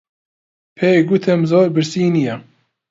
پێی گوتم زۆر برسی نییە.